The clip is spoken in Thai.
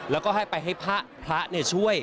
แล้วก็ให้ไปให้พระช่วย